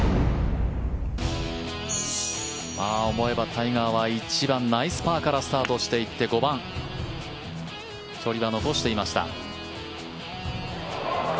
思えばタイガーは１番、ナイスパーからスタートしていって５番、距離は残していました。